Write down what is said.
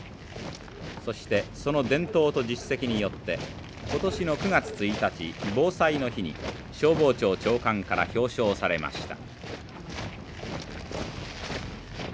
そしてその伝統と実績によって今年の９月１日防災の日に消防庁長官から表彰されました。